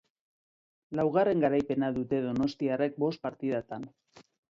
Laugarren garaipena dute donostiarrek bost partidatan.